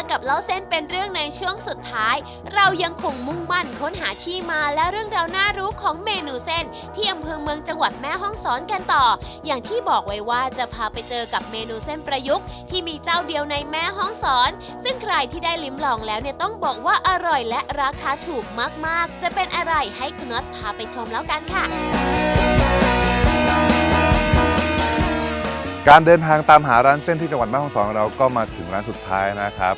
การเดินทางตามหาร้านเส้นที่จังหวัดแม่ห้องศรเราก็มาถึงร้านสุดท้ายนะครับ